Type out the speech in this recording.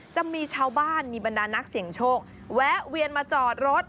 จะมีชาวบ้านมีบรรดานักเสี่ยงโชคแวะเวียนมาจอดรถ